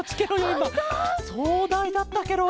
そうだいだったケロ！